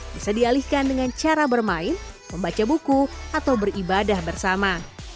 bisa dialihkan dengan cara bermain membaca buku atau beribadah bersama